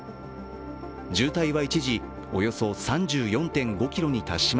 渋滞は一時およそ３４．５ｋｍに達しま